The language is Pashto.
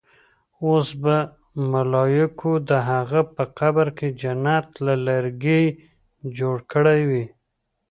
اوس به ملايکو د هغه په قبر کې جنت له کړکۍ جوړ کړې وي.